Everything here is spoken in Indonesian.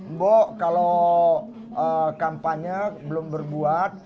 mbok kalau kampanye belum berbuat